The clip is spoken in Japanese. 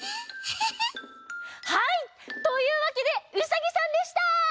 はいというわけでウサギさんでした！